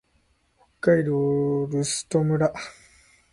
北海道留寿都村